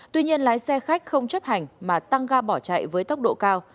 tuy nhiên lái xe khách không chấp hành mà tăng ga bỏ chạy với tốc độ cao